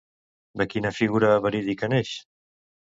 De quina figura verídica neix?